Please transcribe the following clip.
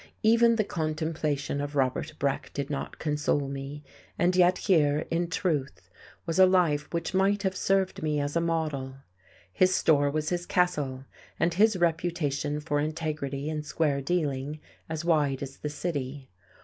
Even the contemplation of Robert Breck did not console me, and yet here, in truth, was a life which might have served me as a model. His store was his castle; and his reputation for integrity and square dealing as wide as the city.